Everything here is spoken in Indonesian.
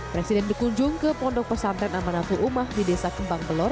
presiden dikunjung ke pondok pesantren amanaful umah di desa kembang belor